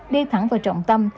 đi thẳng vào trọng tâm